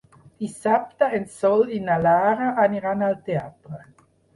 Dissabte en Sol i na Lara aniran al teatre.